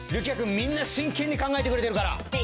みんな真剣に考えてくれてるから。